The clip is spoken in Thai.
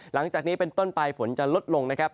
หลังจากนี้เป็นต้นไปฝนจะลดลงนะครับ